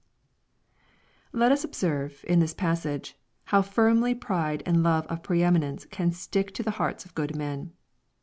Let us observe, in this passage, how firmly pride and love of pre ^raiTience can stick to the hearts of good men.